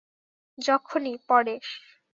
যখনই– পরেশ।